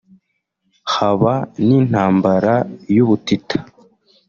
haba n’intambara y’ubutita